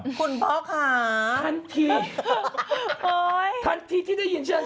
คุณพ่อค่ะทันทีทันทีที่ได้ยินฉัน